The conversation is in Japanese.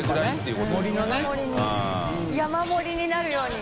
山盛りになるように。